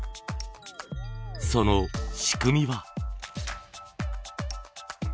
その仕組みは。